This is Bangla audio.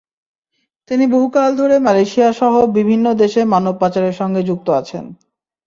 তিনি বহুকাল ধরে মালয়েশিয়াসহ বিভিন্ন দেশে মানব পাচারের সঙ্গে যুক্ত আছেন।